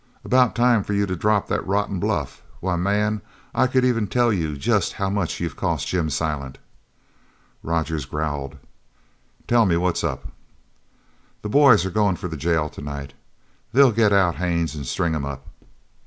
"About time for you to drop that rotten bluff. Why, man, I could even tell you jest how much you've cost Jim Silent." Rogers growled: "Tell me what's up." "The boys are goin' for the jail tonight. They'll get out Haines an' string him up."